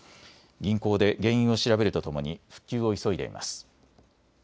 銀行で原因を調べるとともに復旧を急いでます。